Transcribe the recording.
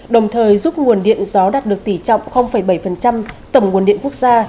đồng thời giúp nguồn điện gió đạt được tỷ trọng bảy tổng nguồn điện quốc gia